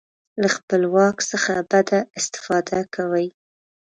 له خپل واک څخه بده استفاده کوي.